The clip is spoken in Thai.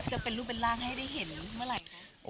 จะเป็นรูปเป็นร่างให้ได้เห็นเมื่อไหร่คะ